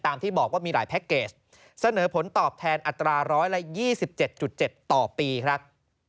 ที่บอกว่ามีหลายแพ็คเกจเสนอผลตอบแทนอัตรา๑๒๗๗ต่อปีครับ